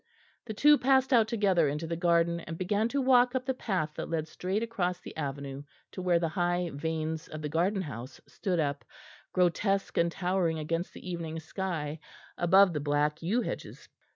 The two passed out together into the garden, and began to walk up the path that led straight across the avenue to where the high vanes of the garden house stood up grotesque and towering against the evening sky, above the black yew hedges.